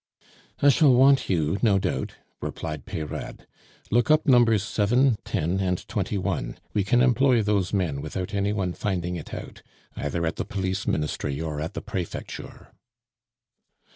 "I shall want you, no doubt," replied Peyrade. "Look up numbers 7, 10, and 21; we can employ those men without any one finding it out, either at the Police Ministry or at the Prefecture."